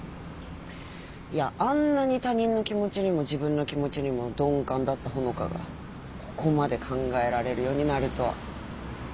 いやあんなに他人の気持ちにも自分の気持ちにも鈍感だった穂香がここまで考えられるようになるとは。